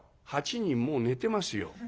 「８人もう寝てますよ」。